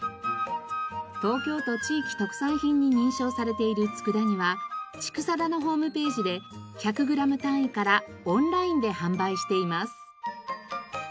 東京都地域特産品に認証されている佃煮は筑定のホームページで１００グラム単位からオンラインで販売しています。